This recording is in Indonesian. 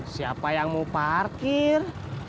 siapa yang mau parkir